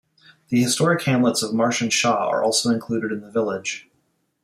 The historic hamlets of Marsh and Shaw are also included in the village.